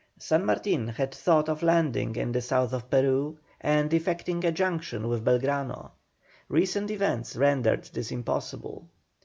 San Martin had thought of landing in the south of Peru, and effecting a junction with Belgrano; recent events rendered this impossible.